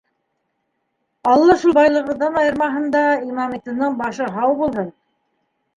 Алла шул байлығыбыҙҙан айырмаһын да, Имаметдиндең башы һау булһын.